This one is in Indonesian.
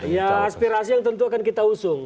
ya aspirasi yang tentu akan kita usung